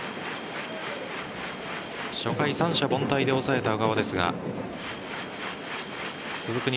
初回三者凡退で抑えた小川ですが続く